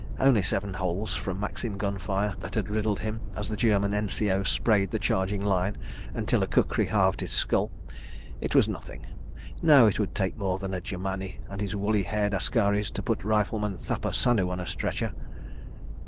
Only seven holes from Maxim gun fire, that had riddled him as the German N.C.O. sprayed the charging line until a kukri halved his skull. ... It was nothing. ... No—it would take more than a Germani and his woolly haired askaris to put Rifleman Thappa Sannu on a stretcher.